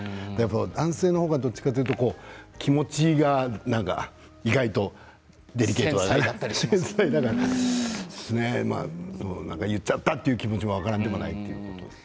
男性の方がどっちかと言うと気持ちが意外とデリケートだったりしますから言っちゃったという気持ちも分からんでもないというか。